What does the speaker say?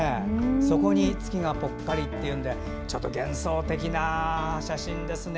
そこに月がぽっかりというのでちょっと幻想的な写真ですね。